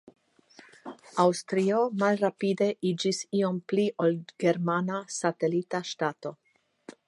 Aŭstrio malrapide iĝis iom pli ol germana satelita ŝtato.